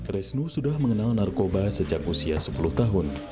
resnu sudah mengenal narkoba sejak usia sepuluh tahun